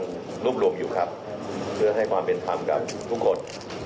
รวบรวมอยู่ครับเพื่อให้ความเป็นธรรมกับทุกคน